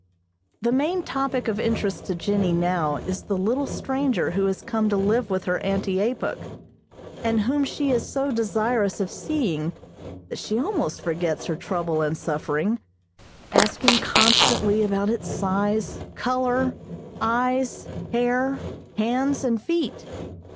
The main topic of interest to Jennie now is the little stranger who has come to live with her Auntie Apuk, and whom she is so desirous of seeing that she almost forgets her trouble and suffering, asking constantly about its size, color, eyes, hair, hands and feet.